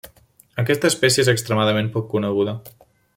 Aquesta espècie és extremadament poc coneguda.